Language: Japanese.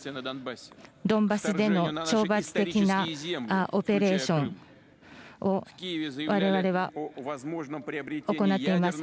ドンバスでの懲罰的なオペレーションをわれわれは行っています。